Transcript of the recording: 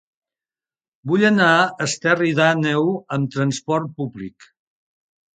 Vull anar a Esterri d'Àneu amb trasport públic.